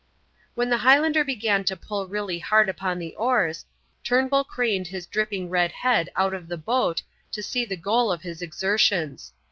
When the Highlander began to pull really hard upon the oars, Turnbull craned his dripping red head out of the boat to see the goal of his exertions.